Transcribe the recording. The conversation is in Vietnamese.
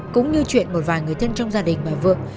cũng như chuyện một vài người thân trong gia đình bà vượng